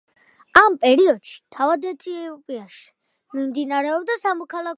ამ პერიოდში თავად ეთიოპიაში მიმდინარეობდა სამოქალაქო ომი.